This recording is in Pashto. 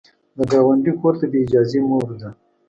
د ګاونډي کور ته بې اجازې مه ورځه